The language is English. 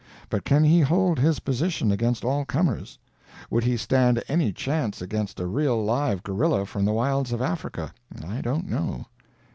But can he hold his position against all comers? Would he stand any chance against a real live gorilla from the wilds of Africa? I don't know.